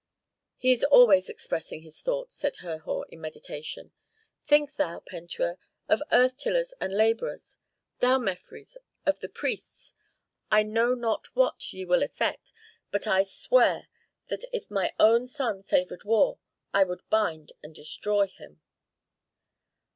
"He is always expressing his thought!" said Herhor, in meditation. "Think thou, Pentuer, of earth tillers and laborers; thou, Mefres, of the priests. I know not what ye will effect, but I swear that if my own son favored war I would bind and destroy him."